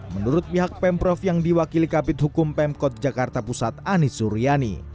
menurut pihak pemprov yang diwakili kapit hukum pemkot jakarta pusat anies suryani